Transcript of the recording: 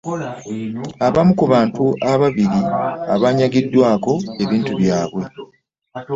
Abamu ku bantu ababiri abaanyagiddwako ebintu byabwe.